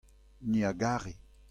ni a gare.